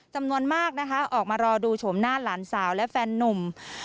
จำนวนมากนะคะออกมารอดูโฉมหน้าหลานสาวและแฟนนุ่ม